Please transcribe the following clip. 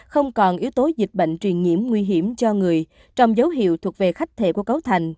không còn yếu tố dịch bệnh truyền nhiễm nguy hiểm cho người trong dấu hiệu thuộc về khách thể của cấu thành